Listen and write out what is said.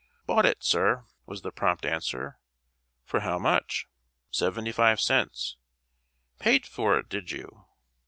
"Bought it, sir," was the prompt answer. "For how much?" "Seventy five cents." "Paid for it, did you?"